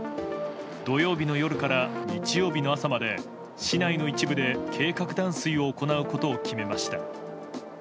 土曜日の夜から日曜日の朝まで市内の一部で計画断水を行うことを決めました。